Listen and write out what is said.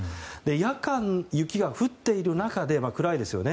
夜間、雪が降っている中で暗いですよね。